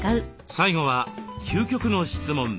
最後は究極の質問。